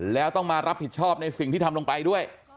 แล้วต้องมารับผิดชอบในสิ่งที่ทำลงไปด้วย